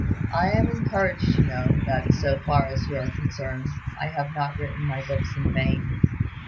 I am encouraged to know, that, so far as you are concerned, I have not written my books in vain.